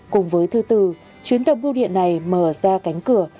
cùng với thư từ chuyến tàu bưu điện này mở ra cánh cửa